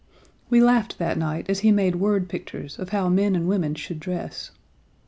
We laughed that night as he made word pictures of how men and women should dress.